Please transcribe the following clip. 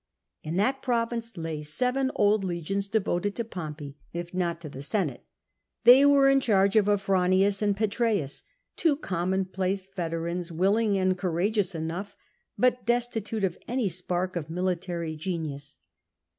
In that province lay seven old legions devoted to Pompey, if not to the Senate ; they were in charge of Afranius and PetreiuH, two commonplace veterans, willing and courage ons enough, but destitute of any spark of military genius.